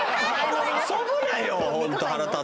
遊ぶなよ！